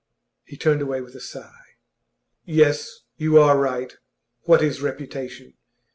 He turned away with a sigh. 'Yes, you are right. What is reputation?